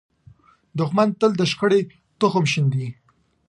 دښمن تل د شخړې تخم شیندي